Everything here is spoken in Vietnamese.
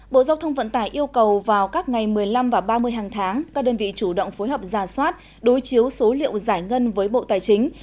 bộ giao thông vận tải yêu cầu vào các ngày một mươi năm và ba mươi hàng tháng các đơn vị chủ động phối hợp giả soát đối chiếu số liệu giải ngân với bộ tài chính